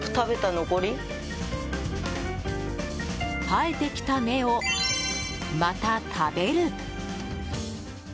生えてきた芽を、また食べる！